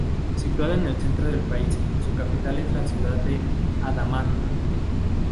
Situada en el centro del país, su capital es la ciudad de Hamadán.